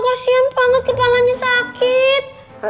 kasian banget kepalanya sakit